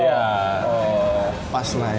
iya pas lah ya